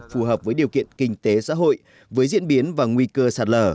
phù hợp với điều kiện kinh tế xã hội với diễn biến và nguy cơ sạt lở